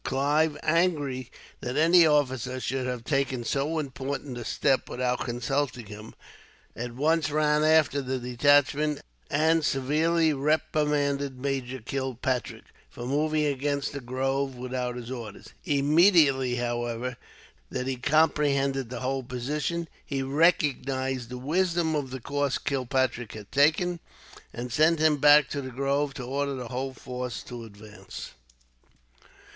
Clive, angry that any officer should have taken so important a step, without consulting him, at once ran after the detachment, and severely reprimanded Major Kilpatrick, for moving from the grove without orders. Immediately, however, that he comprehended the whole position, he recognized the wisdom of the course Kilpatrick had taken, and sent him back to the grove, to order the whole force to advance.